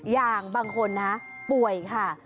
อย่างบางคนนะป่วยค่ะ